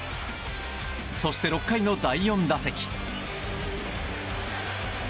そして、６回の第４打席。